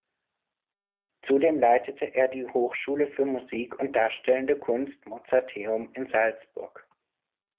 Zudem leitete er die Hochschule für Musik und darstellende Kunst Mozarteum in Salzburg.